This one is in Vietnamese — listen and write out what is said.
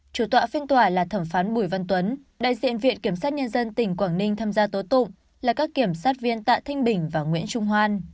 chủ tọa phiên tòa là thẩm phán bùi văn tuấn đại diện viện kiểm sát nhân dân tỉnh quảng ninh tham gia tố tụng là các kiểm sát viên tạ thanh bình và nguyễn trung hoan